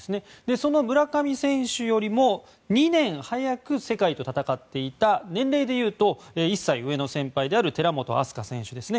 その村上選手よりも２年早く世界と戦っていた年齢でいうと１歳上の先輩である寺本明日香選手ですね。